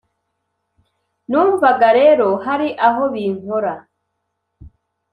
numvaga rero hari aho binkora,